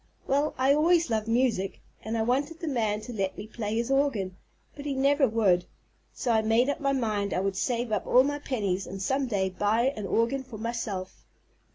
Well, I always loved music, and I wanted the man to let me play his organ, but he never would. So I made up my mind I would save up all my pennies and some day buy an organ for myself.